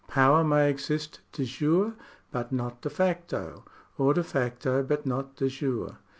Power may exist dejure but not de facto, or de facto but not dejure.